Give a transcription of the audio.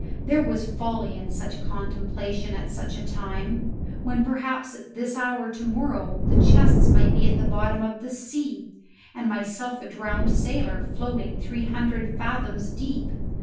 There was folly in such contemplation at such a time, when perhaps at this hour to morrow the chests might be at the bottom of the sea, and myself a drowned sailor floating three hundred fathoms deep.